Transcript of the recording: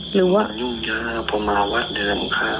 หายุ่งยากพอมาหวัดเดือนค้าแม้ก็ไม่คุย